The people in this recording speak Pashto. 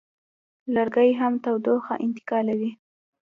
لرګي کم تودوخه انتقالوي.